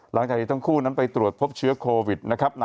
หลังจากทั้งคู่นั้นไปตรวจพบเชื้อโควิด๑๙